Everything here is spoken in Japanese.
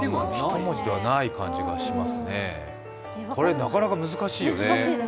これ、なかなか難しいよね。